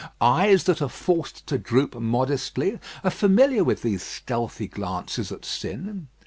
Eyes that are forced to droop modestly are familiar with these stealthy glances at sin.